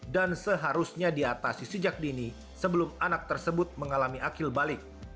dan seharusnya diatasi sejak dini sebelum anak tersebut mengalami akil balik